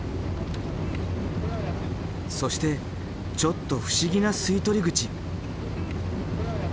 そしてちょっと不思議な吸い取り口。